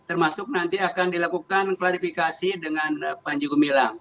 termasuk nanti akan dilakukan klarifikasi dengan panji gumilang